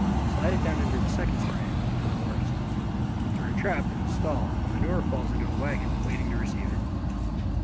Slide it down into the second story to the horse. Through a trap in the stall the manure falls into a wagon waiting to receive it.